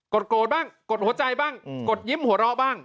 โกรธบ้างกดหัวใจบ้างกดยิ้มหัวเราะบ้าง